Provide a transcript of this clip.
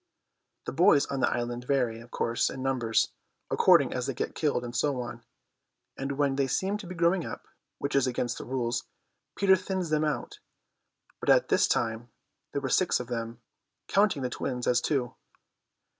The boys on the island vary, of course, in numbers, according as they get killed and so on; and when they seem to be growing up, which is against the rules, Peter thins them out; but at this time there were six of them, counting the twins as two.